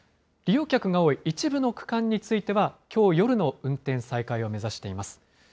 利用客が多い一部の区間については、きょう夜の運転再開を目指しています。